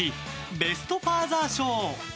ベスト・ファーザー賞。